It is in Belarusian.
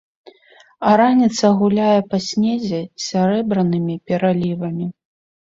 А раніца гуляе па снезе сярэбранымі пералівамі.